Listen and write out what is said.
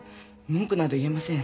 文句など言えません。